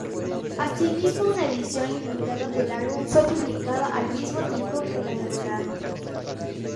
Asimismo, una edición limitada del álbum fue publicada al mismo tiempo que la regular.